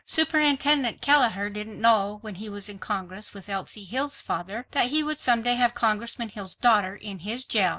"Superintendent Kelleher didn't know when he was in Congress with Elsie Hill's father he would some day have Congressman Hill's daughter in his jail."